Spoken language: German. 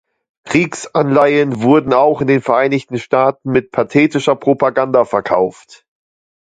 Kriegsanleihen wurden auch in den Vereinigten Staaten mit pathetischer Propaganda verkauft.